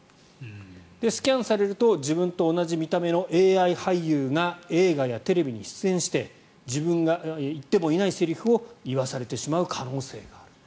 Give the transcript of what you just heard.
スキャンされると自分と同じ見た目のＡＩ俳優が映画やテレビに出演して自分が言ってもいないセリフを言わされてしまう可能性がある。